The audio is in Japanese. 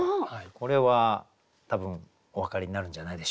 これは多分お分かりになるんじゃないでしょうか？